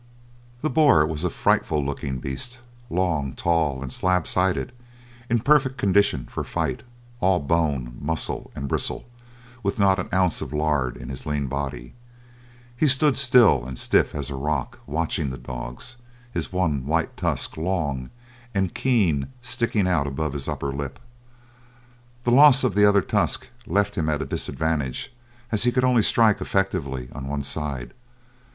The boar was a frightful looking beast, long, tall, and slab sided, in perfect condition for fight, all bone, muscle, and bristles, with not an ounce of lard in his lean body. He stood still and stiff as a rock watching the dogs, his one white tusk, long and keen sticking out above his upper lip. The loss of the other tusk left him at a disadvantage, as he could only strike effectively on one side.